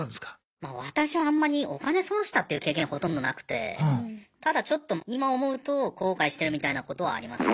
ま私はあんまりお金損したっていう経験ほとんどなくてただちょっと今思うと後悔してるみたいなことはありますね。